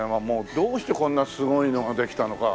どうしてこんなすごいのができたのか。